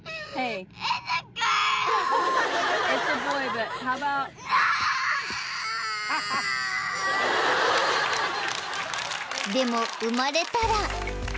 ［でも生まれたら］